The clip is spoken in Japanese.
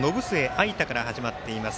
藍太から始まっています。